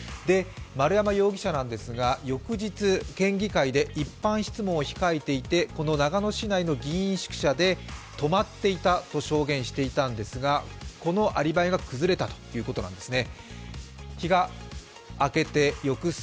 丸山容疑者なんですが翌日、県議会で一般質問を控えていて、長野市内の議員宿舎に泊まっていたと証言していたんですが、このアリバイが崩れたということなんですね。